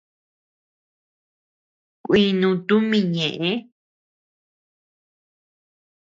Kuinu tumi ñeʼe.